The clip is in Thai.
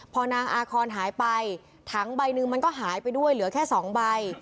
พอนางอาคอนหายไปถังใบหนึ่งมันก็หายไปด้วยเหลือแค่๒ใบ